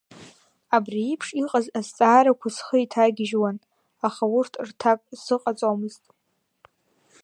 Абри еиԥш иҟаз азҵаарақәа схы иҭагьежьуан, аха урҭ рҭак сзыҟаҵомызт.